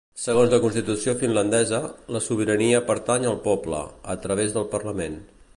Segons la constitució finlandesa, la sobirania pertany al poble, a través del parlament.